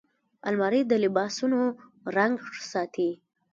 الماري د لباسونو رنګ ساتي